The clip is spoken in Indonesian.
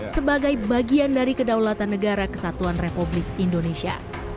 sebagai bagian dari kedaulatan negara kesatuan republik indonesia